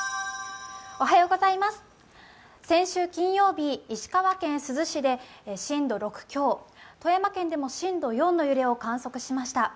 先週金曜日、石川県珠洲市で震度６強、富山県でも震度４の揺れを観測しました。